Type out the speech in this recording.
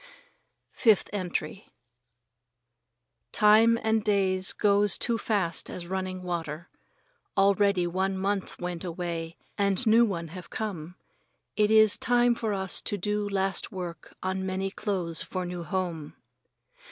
Fifth Entry Time and days goes too fast as running water. Already old month went away and new one have come. It is time for us to do last work on many clothes for new home.